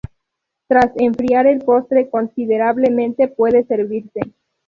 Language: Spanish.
Tras enfriar el postre considerablemente, puede servirse.